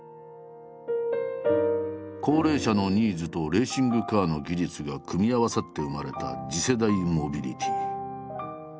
高齢者のニーズとレーシングカーの技術が組み合わさって生まれた次世代モビリティー。